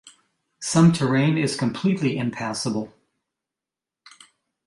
Some terrain is completely impassable.